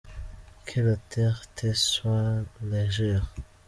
Que la terre te soit légère.